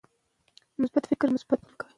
مثبت فکر د مثبت عمل لامل کیږي.